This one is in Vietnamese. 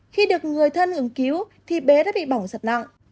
khi được người thân hướng cứu thì bé đã bị bỏng rất nặng